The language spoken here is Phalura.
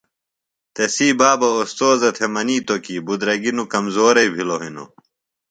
تسی بابہ اوستوذہ تھےۡ منِیتوۡ کی بُدرَگیۡ نوۡ کمزورئی بِھلو ہِنوۡ۔